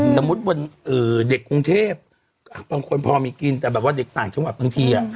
สมมุติวันเด็กกรุงเทพบางคนพอมีกินแต่แบบว่าเด็กต่างจังหวัดบางที